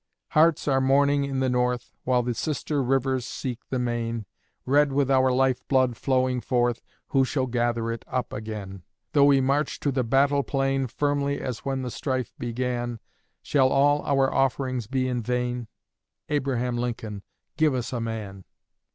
Hearts are mourning in the North, While the sister rivers seek the main, Red with our life blood flowing forth Who shall gather it up again? Though we march to the battle plain Firmly as when the strife began, Shall all our offerings be in vain? Abraham Lincoln, give us a MAN!